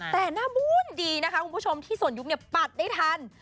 แต่หน้าบุญดีนะคะคุณผู้ชมที่ส่วนยุคเนี่ยปัดได้ทัน